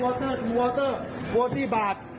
วอเตอร์วอเตอร์๔๐บาท